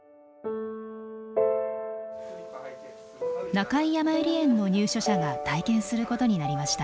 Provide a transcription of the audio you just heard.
中井やまゆり園の入所者が体験することになりました。